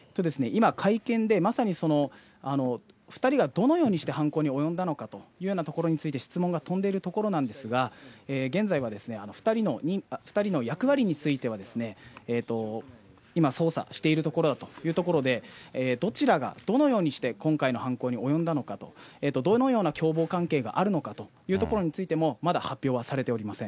今、会見でまさに２人がどのようにして犯行に及んだのかというようなところについて、質問が飛んでいるところなんですが、現在は２人の役割については、今捜査しているところだというところで、どちらがどのようにして今回の犯行に及んだのかと、どのような共謀関係があるのかというところについても、まだ発表はされておりません。